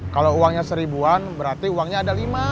kalau uangnya seribuan berarti uangnya ada lima